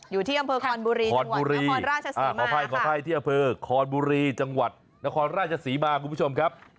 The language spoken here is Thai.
อยู่ที่อำเภอขรอนบุรีจังหวัดนครราชศรีมานะครับค่ะขอภัยขอภัยที่อำเภอขรอนบุรีจังหวัดนครราชศรีมาคุณผู้ชมครับ